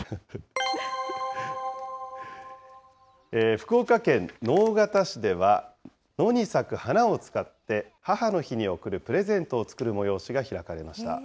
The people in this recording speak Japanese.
福岡県直方市では、野に咲く花を使って、母の日に贈るプレゼントを作る催しが開かれました。